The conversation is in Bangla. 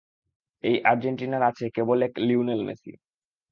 এই আর্জেন্টিনার আছে কেবল এক লিওনেল মেসি।